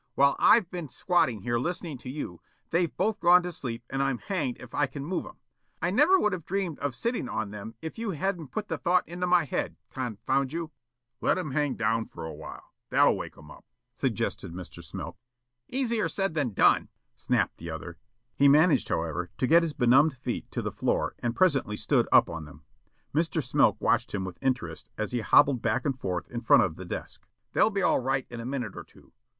While I've been squatting here listening to you, they've both gone to sleep and I'm hanged if I can move 'em. I never would have dreamed of sitting on them if you hadn't put the idea into my head, confound you." "Let 'em hang down for a while," suggested Mr. Smilk. "That'll wake 'em up." "Easier said than done," snapped the other. He managed, however, to get his benumbed feet to the floor and presently stood up on them. Mr. Smilk watched him with interest as he hobbled back and forth in front of the desk. "They'll be all right in a minute or two.